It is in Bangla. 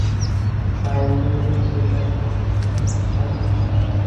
বাইবেল চোদানো ঠকবাজ।